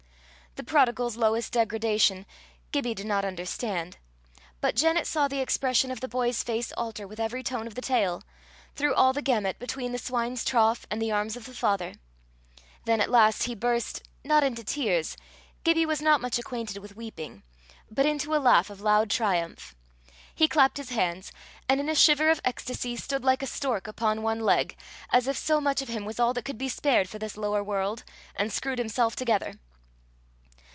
The prodigal's lowest degradation, Gibbie did not understand; but Janet saw the expression of the boy's face alter with every tone of the tale, through all the gamut between the swine's trough and the arms of the father. Then at last he burst not into tears Gibbie was not much acquainted with weeping but into a laugh of loud triumph. He clapped his hands, and in a shiver of ecstasy, stood like a stork upon one leg, as if so much of him was all that could be spared for this lower world, and screwed himself together.